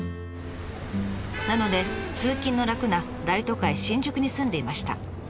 なので通勤の楽な大都会新宿に住んでいました。